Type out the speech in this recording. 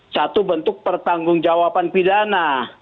satu bentuk pertanggung jawaban pidana